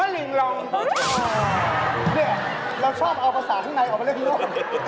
พี่เฮียเราชอบเอาภาษาข้างในออกมาเล่นกล้อง